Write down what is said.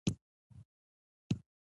خوړل د شنو سبو فایده لري